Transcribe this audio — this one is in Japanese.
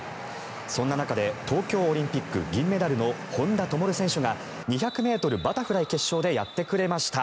そんな中で東京オリンピック銀メダルの本多灯選手が２００ｍバタフライ決勝でやってくれました。